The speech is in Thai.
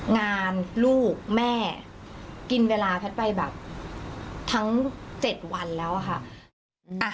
ลูกแม่กินเวลาแพทย์ไปแบบทั้ง๗วันแล้วอะค่ะ